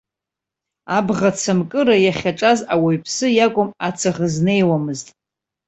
Абӷацамкыра иахьаҿаз, ауаҩԥсы иакәым, ацыӷ знеиуамызт.